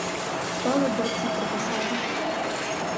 Стали борці проти себе.